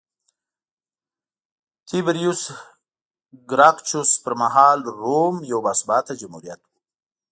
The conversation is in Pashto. تیبریوس ګراکچوس پرمهال روم یو باثباته جمهوریت و